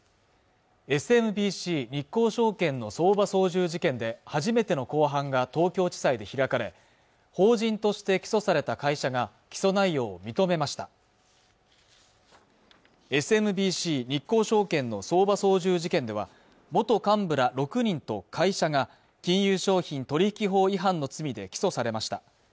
ＳＭＢＣ日興証券の相場操縦事件で初めての公判が東京地裁で開かれ法人として起訴された会社が起訴内容を認めましたＳＭＢＣ日興証券の相場操縦事件では元幹部ら６人と会社が金融商品取引法違反の罪で起訴されました